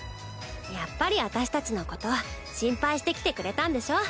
やっぱり私たちのこと心配して来てくれたんでしょ。